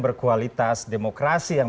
berkualitas demokrasi yang